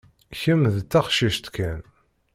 Kemm d taqcict kan.